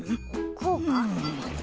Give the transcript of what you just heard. こうか？